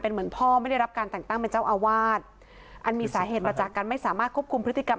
เหมือนพ่อไม่ได้รับการแต่งตั้งเป็นเจ้าอาวาสอันมีสาเหตุมาจากการไม่สามารถควบคุมพฤติกรรม